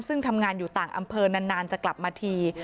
ซึ่งทำงานอยู่ต่างอำเภอนานจะกลับมาที